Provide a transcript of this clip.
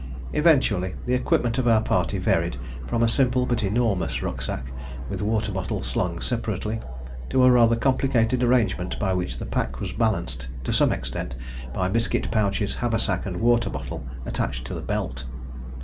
Eventually the equipment of our party varied from a simple but enormous rucksack, with water bottle slung separately, to a rather complicated arrangement by which the pack was balanced to some extent by biscuit pouches, haversack, and water bottle attached to the belt.